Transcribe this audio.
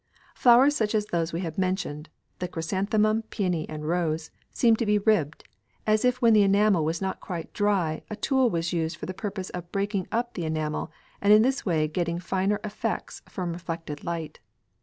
Flowers such as those we have mentioned the chrysanthemum, peony, and rose seem to be ribbed, as if when the enamel was not quite dry a tool was used for the purpose of breaking up the enamel and in this way getting finer effects from reflected light.